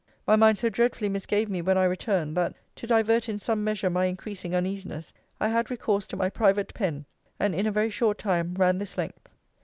My mind so dreadfully misgave me when I returned, that, to divert in some measure my increasing uneasiness, I had recourse to my private pen; and in a very short time ran this length.